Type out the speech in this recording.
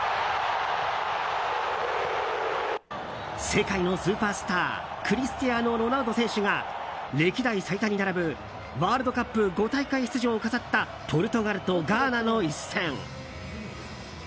世界のスーパースタークリスティアーノ・ロナウド選手が歴代最多に並ぶワールドカップ５大会出場を飾ったポルトガルとガーナの一戦。